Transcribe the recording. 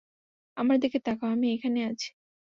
আমার দিকে তাকাও, আমি এখানেই আছি।